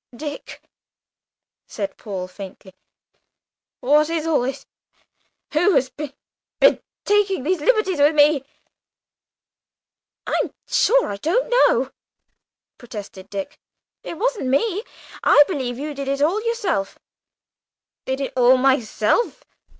"Dick," said Paul faintly, "what is all this? Who has been, been taking these liberties with me?" "I'm sure I don't know," protested Dick. "It wasn't me. I believe you did it all yourself." "Did it all myself!"